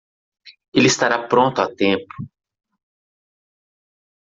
Ele estará pronto a tempo.